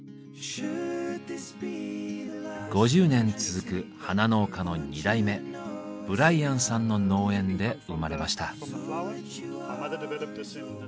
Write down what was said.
５０年続く花農家の二代目ブライアンさんの農園で生まれました。